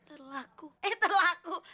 terlaku eh terlaku